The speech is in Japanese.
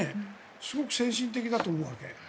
すごく先進的だと思うわけ。